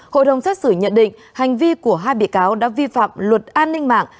hội đồng xét xử nhận định hành vi của hai bị cáo đã vi phạm luật an ninh mạng